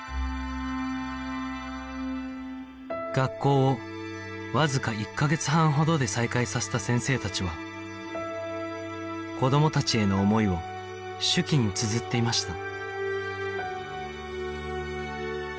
学校をわずか１カ月半ほどで再開させた先生たちは子どもたちへの思いを手記につづっていました